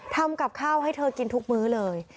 ทำกับข้าวให้เธอกินทุกมื้อเลย